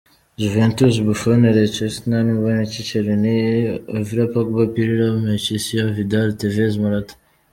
Juventus: Buffon; Lichtsteiner, Bonucci, Chiellini, Evra; Pogba, Pirlo, Marchisio; Vidal; Tevéz, Morata.